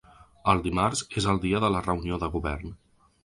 El dimarts és el dia de la reunió de govern.